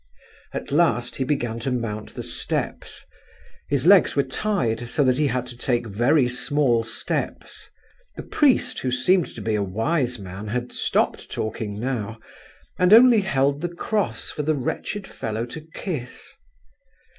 "At last he began to mount the steps; his legs were tied, so that he had to take very small steps. The priest, who seemed to be a wise man, had stopped talking now, and only held the cross for the wretched fellow to kiss.